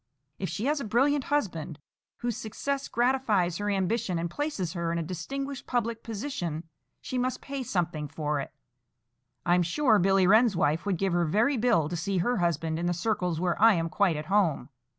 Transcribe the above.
If she has a brilliant husband, whose success gratifies her ambition and places her in a distinguished public position, she must pay something for it. I'm sure Billy Wren's wife would give her very bill to see her husband in the circles where I am quite at home.